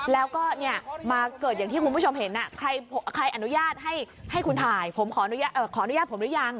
แล้วก็มาเกิดอย่างที่คุณผู้ชมเห็นใครอนุญาตให้คุณถ่ายผมขออนุญาตผมหรือยัง